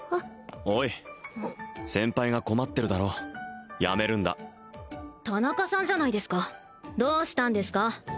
おい先輩が困ってるだろやめるんだ田中さんじゃないですかどうしたんですか？